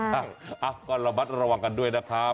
รวมูบระวังกันด้วยค่ะ